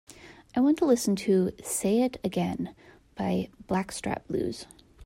i want to listen to Say It Again by Blackstratblues